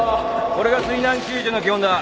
これが水難救助の基本だ。